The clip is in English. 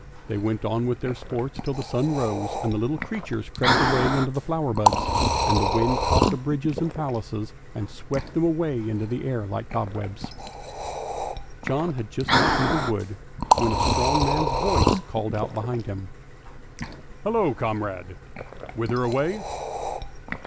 They went on with their sports till the sun rose, and the little creatures crept away into the flower buds, and the wind caught the bridges and palaces and swept them away into the air like cobwebs. John had just got through the wood, when a strong man's voice called out behind him, " Hallo, comrade! whither away?